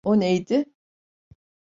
O neydi?